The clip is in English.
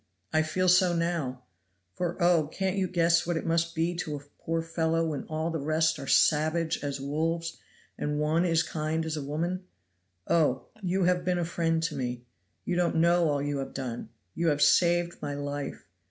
I feel so now. For, oh! can't you guess what it must be to a poor fellow when all the rest are savage as wolves and one is kind as a woman? Oh! you have been a friend to me. You don't know all you have done. You have saved my life.